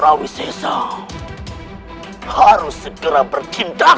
raden surawi sesam harus segera bertindak